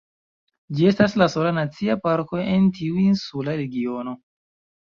Ĝi estas la sola nacia parko en tiu insula regiono.